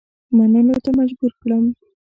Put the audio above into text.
منلو ته مجبور کړم.